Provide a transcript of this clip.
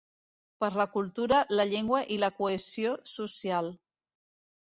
Per la cultura, la llengua i la cohesió social.